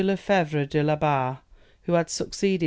Lefèvre de la Barre, who had succeeded M.